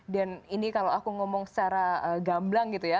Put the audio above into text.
ini kalau aku ngomong secara gamblang gitu ya